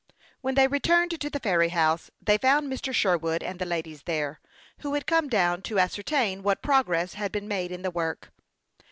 When they returned to the ferry house, they found Mr. Sherwood and the ladies there, who had come down to ascertain what progress had been made in the work.